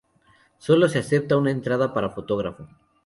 Sólo se acepta una entrada para fotógrafo.